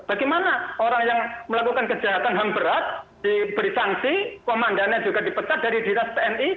bagaimana orang yang melakukan kejahatan ham berat diberi sanksi komandannya juga dipecat dari dinas tni